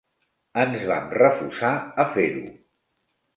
Ens vam refusar a fer-ho.